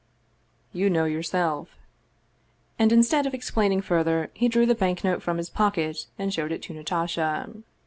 " You know, yourself." And instead of explaining further, he drew the bank note from his pocket and showed it to Natasha.